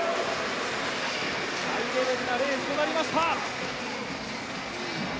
ハイレベルなレースとなりました。